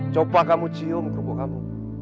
coba kamu cium kerupuk kamu